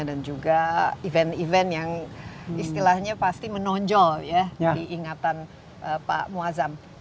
dan juga event event yang istilahnya pasti menonjol ya diingatan pak muazzam